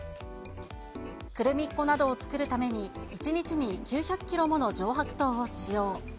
クルミッ子などを作るために、１日に９００キロもの上白糖を使用。